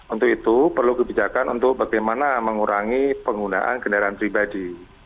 untuk itu perlu kebijakan untuk bagaimana mengurangi penggunaan kendaraan pribadi